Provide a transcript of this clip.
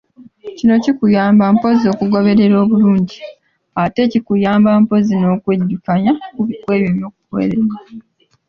Kino kikuyamba mpozzi okugoberera obulungi ate kikuyamba mpozzi n’okwejjukanya ku ebyo ebyogeddwa.